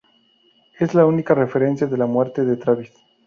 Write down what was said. Esta es la única referencia de la muerte de Travis.